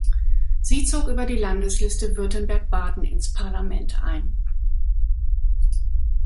Sie zog über die Landesliste Württemberg-Baden ins Parlament ein.